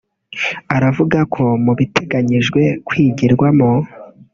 aravuga ko mu biteganyijwe kwigirwamo